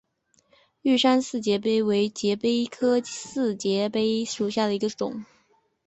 玉山四节蜱为节蜱科四节蜱属下的一个种。